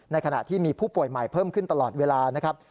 ขณะที่มีผู้ป่วยใหม่เพิ่มขึ้นตลอดเวลานะครับ